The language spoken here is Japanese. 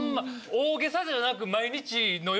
大げさじゃなく。